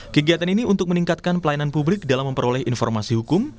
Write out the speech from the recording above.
kegiatan ini untuk meningkatkan pelayanan publik dalam memperoleh informasi hukum